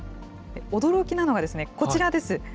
驚きなのがこちらです。